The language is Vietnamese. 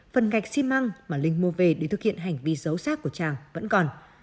phần gạch xi măng mà linh mua về để thực hiện hành vi giấu sát của chàng vẫn còn